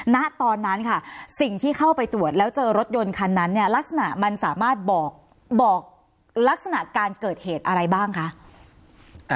ณตอนนั้นค่ะสิ่งที่เข้าไปตรวจแล้วเจอรถยนต์คันนั้นเนี่ยลักษณะมันสามารถบอกลักษณะการเกิดเหตุอะไรบ้างคะ